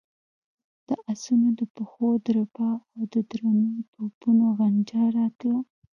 د آسونو د پښو دربا او د درنو توپونو غنجا راتله.